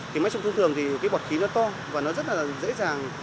thì máy trong thông thường thì cái bọt khí nó to và nó rất là dễ dàng